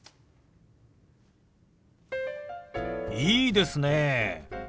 いいですね。